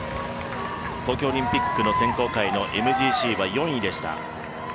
東京オリンピックの選考会のＭＧＣは４位でした。